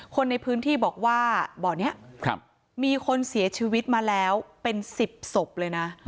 คนในพื้นที่บอกว่าบ่อนี้มีคนเสียชีวิตมาแล้วเป็น๑๐ศพเลยนะ